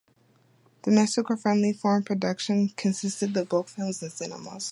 Domestic or "friendly" foreign productions constituted the bulk of films in cinemas.